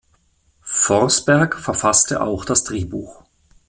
Forsberg verfasste auch das Drehbuch.